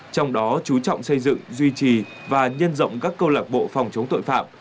trong đó chú trọng xây dựng duy trì và nhân rộng các câu lạc bộ phòng chống tội phạm